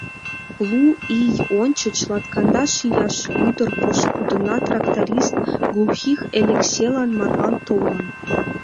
Лу ий ончыч латкандаш ияш ӱдыр пошкудына тракторист Глухих Элекселан марлан толын.